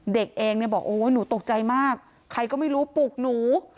เด็กเองเนี่ยบอกโอ้ยหนูตกใจมากใครก็ไม่รู้ปลุกหนู